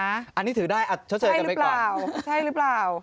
อันนี้ถือได้ช่วยกันไปก่อนใช่หรือเปล่า